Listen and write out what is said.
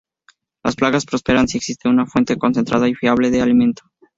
Las plagas prosperan si existe una fuente concentrada y fiable de alimento.